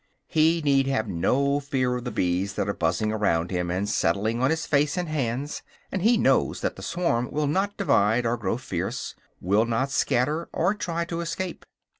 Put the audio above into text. He need have no fear of the bees that are buzzing around him, and settling on his face and hands; and he knows that the swarm will not divide, or grow fierce, will not scatter, or try to escape.